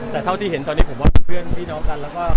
แต่เท่าที่เห็นตอนนี้ผมว่าเป็นเพื่อนพี่น้องกันแล้วก็